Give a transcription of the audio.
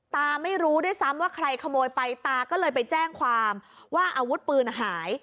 ตาไม่รู้ด้วยซ้ำว่าใครขโมยไปตาก็เลยไปแจ้งความว่าอาวุธปืนหาย